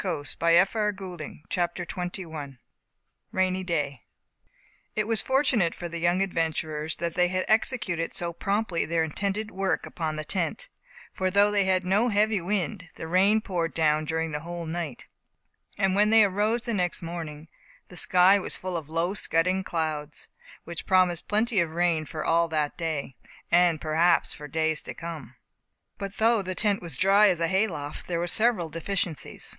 CHAPTER XXI RAINY DAY THE KITCHEN AND FIRE HUNTING THE OPOSSUM It was fortunate for the young adventurers that they had executed so promptly their intended work upon the tent, for though they had no heavy wind, the rain poured down during the whole night; and when they arose next morning, the sky was full of low scudding clouds, which promised plenty of rain for all that day, and perhaps for days to come. But, though the tent was dry as a hay loft, there were several deficiencies.